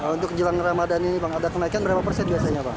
untuk jelang ramadan ini ada kenaikan berapa persen biasanya